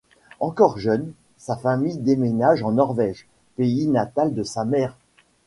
Encore jeune, sa famille déménage en Norvège, pays natal de sa mère.